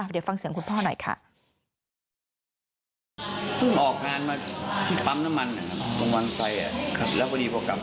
เดี๋ยวฟังเสียงคุณพ่อหน่อยค่ะ